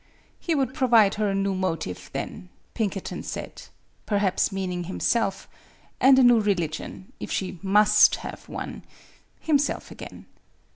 He would provide her a new motive, then, Pinkerton said, perhaps meaning himself, and a new religion, if she must have one himself again.